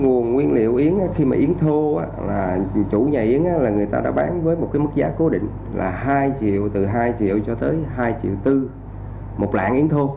nguồn nguyên liệu yến khi mà yến thô chủ nhà yến người ta đã bán với một mức giá cố định là hai triệu từ hai triệu cho tới hai triệu bốn một lạng yến thô